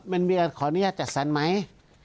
มันมีอะไรขออนุญาตจัดสรรไหม